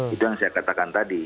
itu yang saya katakan tadi